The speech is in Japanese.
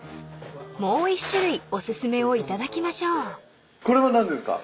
［もう１種類お薦めを頂きましょう］これは何ですか？